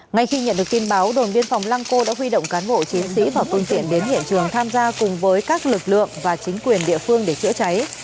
ngay khi nhận được tin báo đồn biên phòng lăng cô đã huy động cán bộ chiến sĩ và phương tiện đến hiện trường tham gia cùng với các lực lượng và chính quyền địa phương để chữa cháy